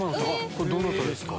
これどなたですか？